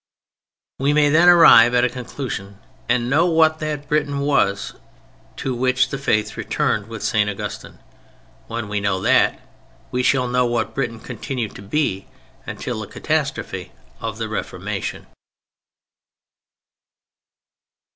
We may then arrive at a conclusion and know what that Britain was to which the Faith returned with St. Augustine. When we know that, we shall know what Britain continued to be until the catastrophe of the Reformation.